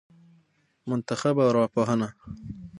منتخبه ارواپوهنه